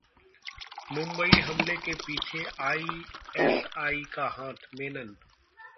मुंबई हमले के पीछे आईएसआई का हाथ: मेनन